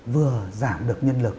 vừa giảm được nhân lực